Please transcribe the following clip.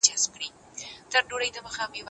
د لېوه بچی لېوه سي